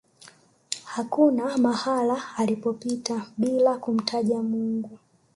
hakuna mahala alipopita bila kumtaja mungu